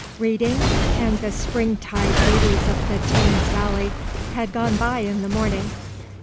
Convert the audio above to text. Reading and the spring tide beauties of the Thames valley had gone by in the morning.